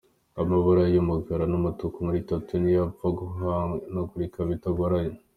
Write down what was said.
Amabara y’umukara n’umutuku muri tattoo ni yo apfa guhanagurika bitagoranye.